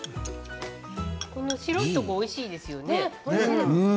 白いところおいしいですよね。